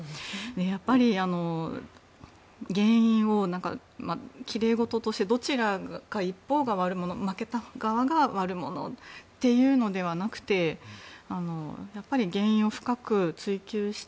やっぱり、奇麗事としてどちらか一方が悪者負けた側が悪者というのではなくてやっぱり原因を深く追及して